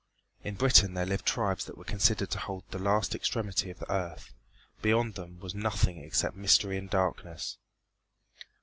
In Britain there lived tribes that were considered to hold the last extremity of the earth. Beyond them was nothing except mystery and darkness.